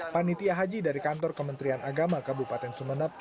panitia haji dari kantor kementerian agama kabupaten sumeneb